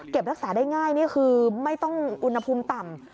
รักษาได้ง่ายนี่คือไม่ต้องอุณหภูมิต่ำ